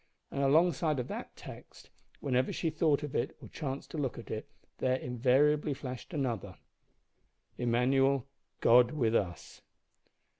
And alongside of that text, whenever she thought of it or chanced to look at it, there invariably flashed another: "Immanuel, God with us."